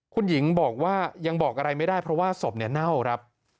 คุณหญิงบอกว่ายังบอกอะไรไม่ได้เพราะว่าศพเนี่ยเน่าครับ